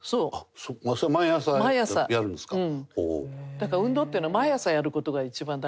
だから運動っていうのは毎朝やる事が一番大事だから。